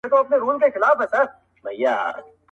كلي كي ملا سومه ،چي ستا سومه~